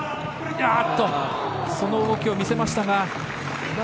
あっとその動きを見せましたが。